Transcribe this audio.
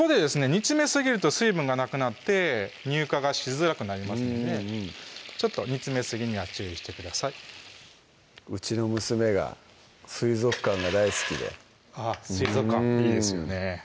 煮詰めすぎると水分がなくなって乳化がしづらくなりますのでちょっと煮詰めすぎには注意してくださいうちの娘が水族館が大好きであっ水族館いいですよね